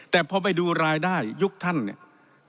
แต่พอไปดูรายได้ยุคท่านเนี่ย